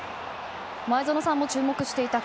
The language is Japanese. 前園さんも注目していた